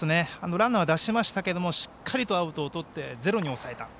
ランナーは出しましたけれどもしっかりとアウトをとってゼロに抑えた。